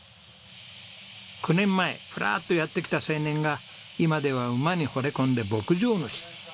９年前ふらっとやって来た青年が今では馬に惚れ込んで牧場主。